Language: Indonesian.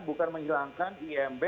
bukan menghilangkan imb